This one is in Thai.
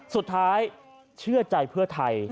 สุดท้ายเชื่อใจเพื่อไทย